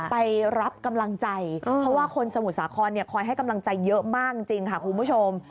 ไปรับกำลังใจเพราะว่าคนสมุทรสาครคอยให้กำลังใจเยอะมากจริงค่ะคุณผู้ชม